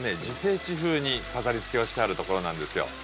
自生地風に飾りつけをしてあるところなんですよ。